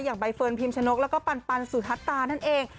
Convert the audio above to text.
อย่างใบเฟิร์นพรีมชนกแล้วก็ปัลปันสุธาตานั่นเอง